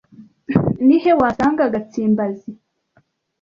Ni he wasanga Gatsimbazi